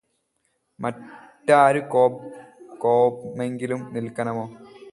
മറ്റാര്കൊപ്മെങ്കിലും നില്ക്കനമോ